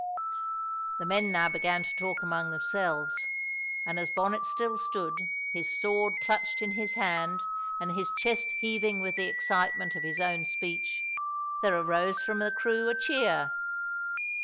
The men now began to talk among themselves; and as Bonnet still stood, his sword clutched in his hand and his chest heaving with the excitement of his own speech, there arose from the crew a cheer.